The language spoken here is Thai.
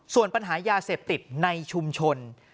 ส่วนปัญหายาเสพติดในชุมชน